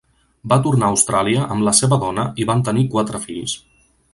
Va tornar a Austràlia amb la seva dona i van tenir quatre fills.